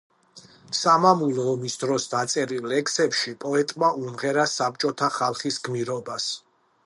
სამამულო ომის დროს დაწერილ ლექსებში პოეტმა უმღერა საბჭოთა ხალხის გმირობას.